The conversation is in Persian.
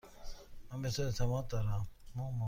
من به تو اعتماد دارم.